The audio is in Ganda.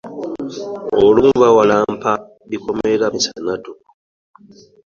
Olumu bawalampa bikomera misana ttuku!